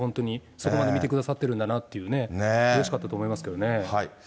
そこまで見てくださってるんだなってね、うれしかったと思いますね。